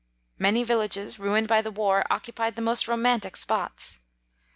Many villages, ruined by the war, occupied the most romantic spots.